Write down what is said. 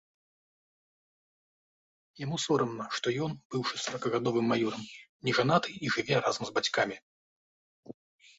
Яму сорамна, што ён, быўшы саракагадовым маёрам, не жанаты і жыве разам з бацькамі.